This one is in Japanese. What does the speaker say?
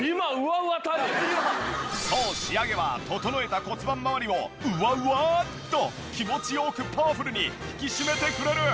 そう仕上げは整えた骨盤まわりをうわうわっと気持ち良くパワフルに引き締めてくれる。